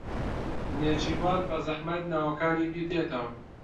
نێچیروان بەزەحمەت ناوەکانی بیردێتەوە.